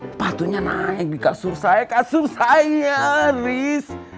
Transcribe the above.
sepatunya naik di kasur saya kasur saya ris